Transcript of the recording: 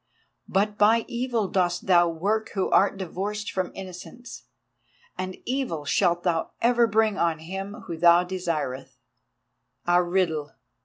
But by Evil dost thou work who art divorced from Innocence, and evil shalt thou ever bring on him whom thou desireth. A riddle!